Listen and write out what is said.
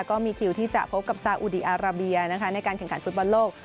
ก็มีคิวที่จะพบกับซาอุดีอาราเบียนะคะในการแข่งขันฟุตบอลโลก